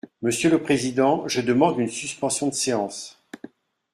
Monsieur le président, je demande une suspension de séance.